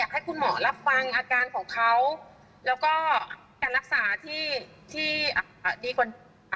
ให้คุณหมอรับฟังอาการของเขาแล้วก็การรักษาที่ที่ดีกว่า